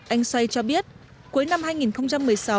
anh say cho biết cuối năm hai nghìn một mươi sáu